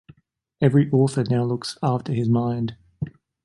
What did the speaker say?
Every author now looks after his mind.